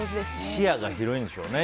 視野が広いんでしょうね。